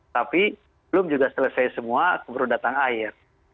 tapi belum juga selesai semua baru datang air